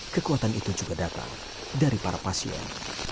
kekuatan itu juga datang dari para pasien